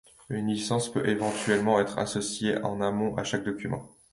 Une licence peut éventuellement être associée en amont à chaque document.